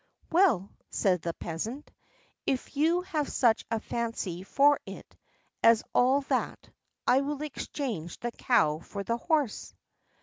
"Well," said the peasant, "if you have such a fancy for it as all that, I will exchange the cow for the horse."